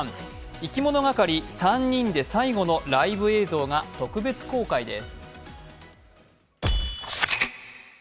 いきものがかり３人で最後のライブ映像が特別公開です。